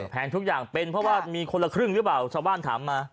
แพงทุกอย่างเป็นเพราะว่ามีคนละครึ่งหรือเปล่าชาวบ้านถามมา